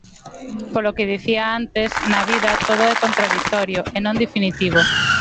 Polo que dicía antes; na vida todo é contraditorio e non definitivo.